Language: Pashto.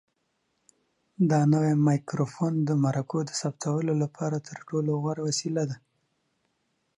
دا نوی مایکروفون د مرکو د ثبتولو لپاره تر ټولو غوره وسیله ده.